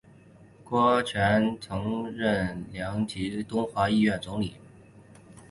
郭泉在香港曾任保良局及东华医院总理。